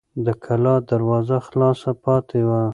د کلا دروازه خلاصه پاتې وه.